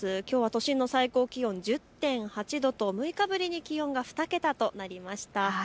きょうは都心の最高気温は１０．８度と６日ぶりに気温が２桁となりました。